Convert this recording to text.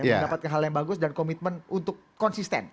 mendapatkan hal yang bagus dan komitmen untuk konsisten